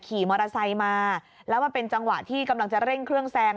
ขี่มอเตอร์ไซค์มาแล้วมันเป็นจังหวะที่กำลังจะเร่งเครื่องแซง